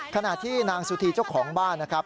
ขณะที่นางสุธีเจ้าของบ้านนะครับ